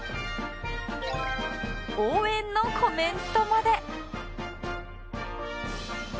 応援のコメントまで